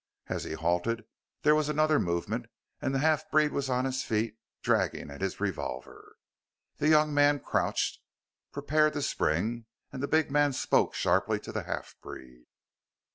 As he halted there was another movement and the half breed was on his feet and dragging at his revolver. The young man crouched, prepared to spring, and the big man spoke sharply to the half breed.